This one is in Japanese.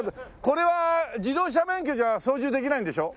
これは自動車免許じゃ操縦できないんでしょ？